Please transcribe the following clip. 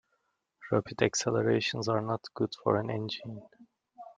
Rapid accelerations are not good for an engine.